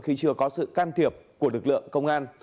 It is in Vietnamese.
khi chưa có sự can thiệp của lực lượng công an